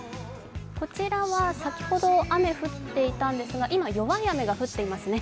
こちらは先ほど雨降っていたんですが今、弱い雨が降っていますね。